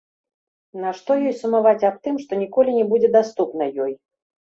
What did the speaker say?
Нашто ёй сумаваць аб тым, што ніколі не будзе даступна ёй?